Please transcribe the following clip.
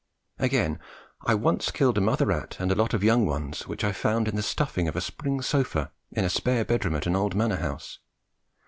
Again, I once killed a mother rat and a lot of young ones which I found in the stuffing of a spring sofa in a spare bedroom at an old manor house.